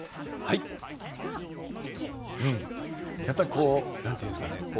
やっぱりこう何て言うんですかね